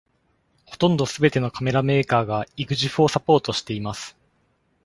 ほとんどすべてのカメラメーカーが Exif をサポートしています。